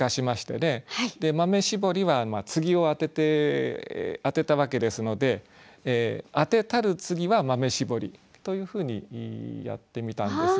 で豆絞りは継ぎを当てたわけですので「当てたる継は豆絞り」というふうにやってみたんですが。